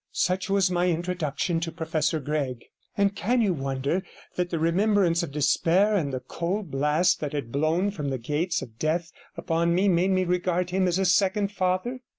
47 Such was my introduction to Professor Gregg, and can you wonder that the remembrance of despair and the cold blast that had blown from the gates of death upon me made me regard him as a second father?